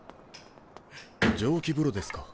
蒸気風呂ですか？